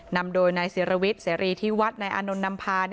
นำโดยนายเสียระวิทเสรีที่วัดในอนุนัมภา